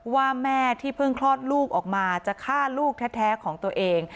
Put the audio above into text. ว่าแม่ที่เพิ่งคลอดลูกออกมาจะฆ่าลูกแท้ของตัวเอง